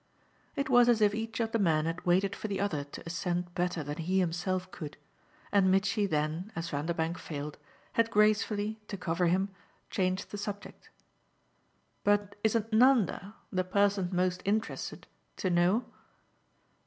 It was as if each of the men had waited for the other to assent better than he himself could and Mitchy then, as Vanderbank failed, had gracefully, to cover him, changed the subject. "But isn't Nanda, the person most interested, to know?"